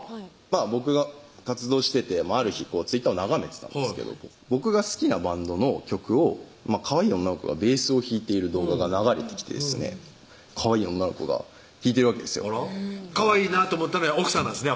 僕が活動しててある日Ｔｗｉｔｔｅｒを眺めてたんですけど僕が好きなバンドの曲をかわいい女の子がベースを弾いている動画が流れてきてですねかわいい女の子が弾いてるわけですよかわいいなって思ったのは奥さんなんですね